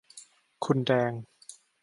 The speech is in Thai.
คุณแดง